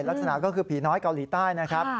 ลักษณะก็คือผีน้อยเกาหลีใต้นะครับ